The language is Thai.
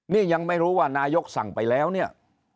นี่ยังไม่รู้ว่านายกสั่งไปแล้วเนี่ย